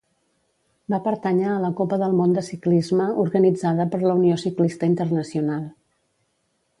Va pertànyer a la Copa del Món de ciclisme, organitzada per la Unió Ciclista Internacional.